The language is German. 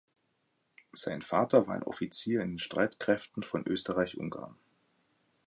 Sein Vater war ein Offizier in den Streitkräften von Österreich-Ungarn.